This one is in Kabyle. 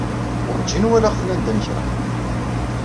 Werjin walaɣ-ten anda n kra.